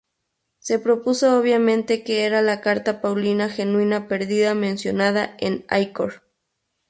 Se propuso, obviamente, que era la carta paulina genuina perdida mencionada en I Cor.